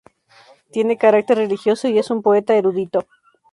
Tiene carácter religioso y es un poeta erudito.